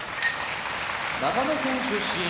長野県出身